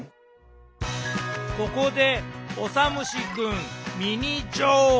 ここでオサムシくんミニ情報！